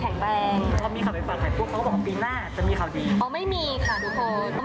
พวกเขาก็บอกว่าปีหน้าจะมีข่าวดี